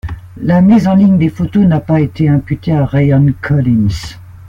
La mise en ligne des photos n'a pas été imputée à Ryan Collins.